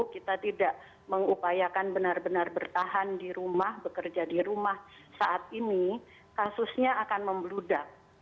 kita tidak mengupayakan benar benar bertahan di rumah bekerja di rumah saat ini kasusnya akan membludak